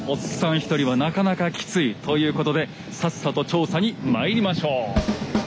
一人はなかなかきついということでさっさと調査にまいりましょう。